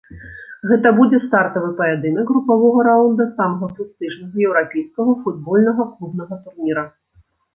Гэта будзе стартавы паядынак групавога раўнда самага прэстыжнага еўрапейскага футбольнага клубнага турніра.